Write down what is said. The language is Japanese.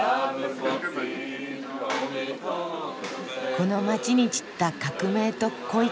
この街に散った革命と恋か。